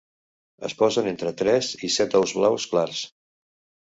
Es posen entre tres i set ous blaus clars.